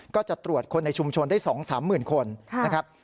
ก็จะตรวจคนในชุมชนได้๒๓๐๐๐คนนะครับ